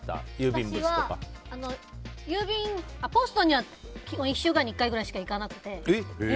私はポストには１週間に１回ぐらいしか行かなくて。